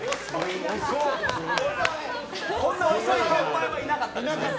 こんな遅い先輩はいなかった！